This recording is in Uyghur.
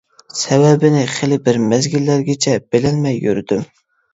سەۋەبىنى خىلى بىر مەزگىللەرگىچە بىلەلمەي يۈردۈم.